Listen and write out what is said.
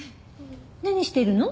何してるの？